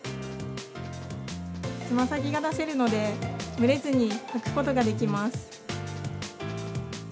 つま先が出せるので、蒸れずに履くことができます。